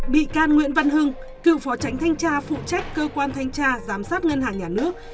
bị can nguyễn văn hưng cựu phó tránh thanh tra phụ trách cơ quan thanh tra giám sát ngân hàng nhà nước